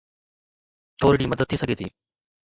ٿورڙي مدد ٿي سگهي ٿي